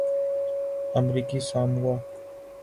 امریکی ساموآ